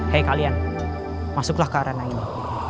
hei kalian masuklah ke arena ini